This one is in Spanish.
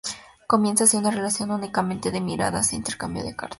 Comienza así una relación únicamente de miradas e intercambio de cartas.